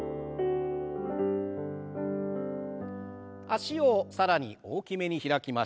脚を更に大きめに開きましょう。